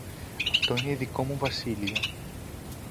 Αυτό είναι δικό μου βασίλειο.